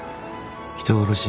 人殺し。